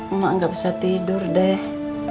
emak nggak bisa tidur deh